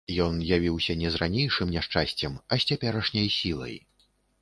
Ён явіўся не з ранейшым няшчасцем, а з цяперашняй сілай.